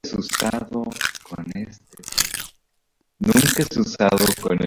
Se le atribuye a esta voz el significado de nogal.